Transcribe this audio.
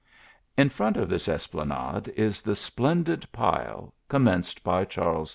In front of this esplanr.de is the splendid pib, commenced by Charles V.